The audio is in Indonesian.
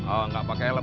oh enggak pakai helm